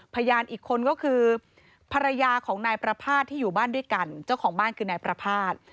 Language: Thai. พยานอีกคนก็คือภรรยาของนายประภาษณ์ที่อยู่บ้านด้วยกันเจ้าของบ้านคือนายประภาษณ์